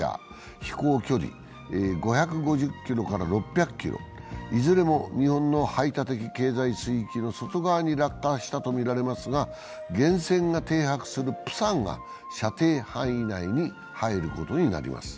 飛行距離５５０ｋｍから６００ｋｍいずれも日本の排他的経済水域の外側に落下したとみられますが原潜が停泊するプサンが射程範囲内に入ることになります。